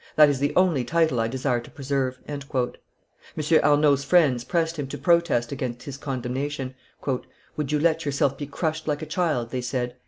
That is the only title I desire to preserve." M. Arnauld's friends pressed him to protest against his condemnation. "Would you let yourself be crushed like a child?" they said.